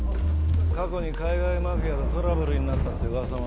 過去に海外マフィアとトラブルになったって噂もある。